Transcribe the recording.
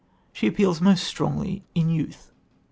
She appeals most strongly in youth.